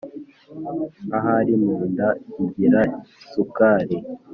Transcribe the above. Ahari mu nda igira sukari!